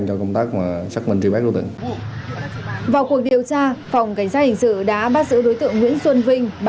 trong cuộc điều tra phòng cảnh sát hình sự đã bắt giữ đối tượng nguyễn xuân vinh